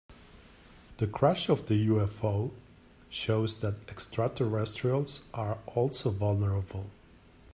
The crash of the UFO shows that extraterrestrials are also vulnerable.